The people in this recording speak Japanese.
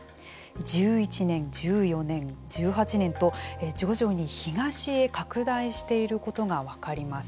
１１年、１４年１８年と徐々に東へ拡大していることが分かります。